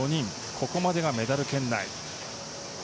ここまでがメダル圏内。